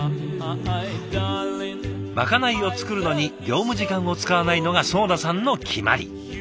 まかないを作るのに業務時間を使わないのが囿田さんの決まり。